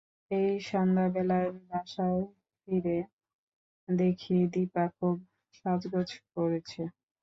এক সন্ধ্যাবেলায় বাসায় ফিরে দেখি-দিপা খুব সাজগোজ করেছে।